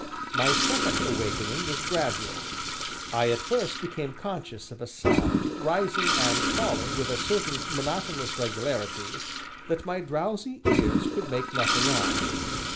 My second awakening was gradual. I at first became conscious of a sound, rising and falling with a certain monotonous regularity, that my drowsy ears could make nothing of.